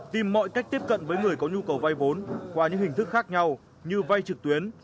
tìm mọi cách tiếp cận với người có nhu cầu vay vốn qua những hình thức khác nhau như vay trực tuyến